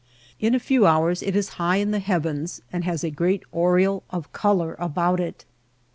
In a few hours it is high in the heavens and has a great aureole of color about it.